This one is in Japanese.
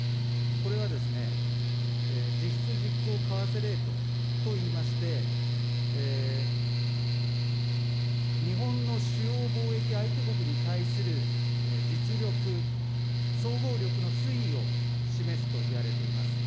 これはですね、実質実効為替レートといいまして、日本の主要貿易相手国に対する実力、総合力の推移を示すといわれています。